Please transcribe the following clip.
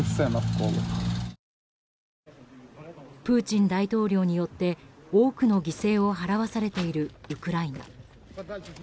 プーチン大統領によって多くの犠牲を払わされているウクライナ。